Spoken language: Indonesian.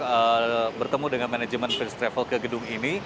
saya bertemu dengan manajemen first travel ke gedung ini